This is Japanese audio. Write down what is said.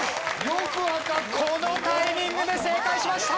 このタイミングで正解しました！